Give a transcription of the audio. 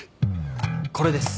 これです。